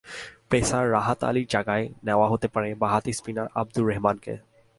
Pacer Rahat আলীর জায়গায় নেওয়া হতে পারে বাঁহাতি স্পিনার আবদুর রেহমানকে।